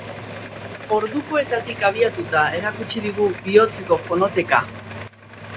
Ordukoetatik abiatuta erakutsi digu bihotzeko fonoteka.